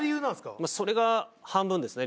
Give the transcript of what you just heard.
それが半分ですね